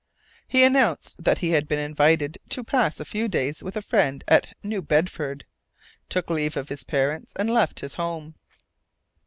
He announced that he had been invited to pass a few days with a friend at New Bedford, took leave of his parents and left his home.